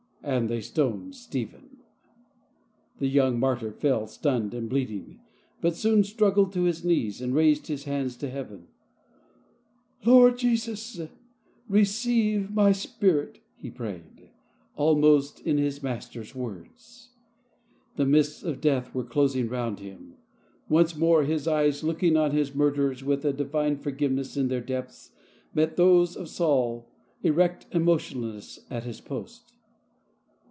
" And they stoned Stephen." The young martyr fell stunned and bleed ing, but soon struggled to his knees, and raised his hands to Heaven. " Lord Jesus, receive my spirit," he prayed, almost in his Master's words. The mists of death were closing round him. 14 LIFE OF ST. PAUL Once more his eyes, looking on his murderers with a divine forgiveness in their depths, met those of Saul, erect and motionless at his post.